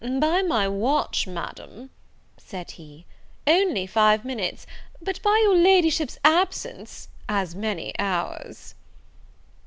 "By my watch, Madam," said he, "only five minutes, but by your Ladyship's absence as many hours."